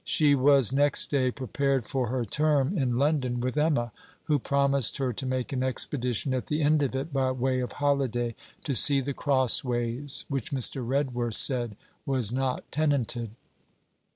She was next day prepared for her term in London with Emma, who promised her to make an expedition at the end of it by way of holiday, to see The Crossways, which Mr. Redworth said was not tenanted.